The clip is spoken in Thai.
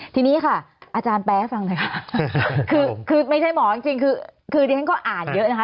ทีนี้ค่ะอาจารย์แป๊ให้ฟังหน่อยค่ะคือไม่ใช่หมอจริงคือดิฉันก็อ่านเยอะนะคะ